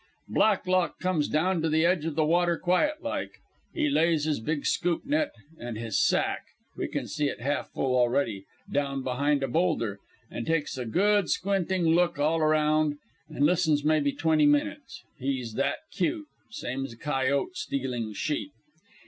"Blacklock comes down to the edge of the water quiet like. He lays his big scoop net an' his sack we can see it half full already down behind a boulder, and takes a good squinting look all round, and listens maybe twenty minutes, he's that cute, same's a coyote stealing sheep.